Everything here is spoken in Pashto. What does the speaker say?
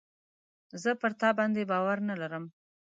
زه پر تا باندي باور نه لرم .